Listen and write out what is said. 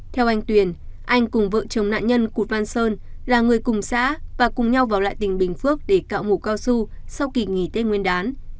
theo anh tuyền anh cùng vợ chồng nạn nhân cụt văn sơn là người cùng xã và cùng nhau vào lại tỉnh bình phước để cạo mũ cao su sau kỳ nghỉ tết nguyên đán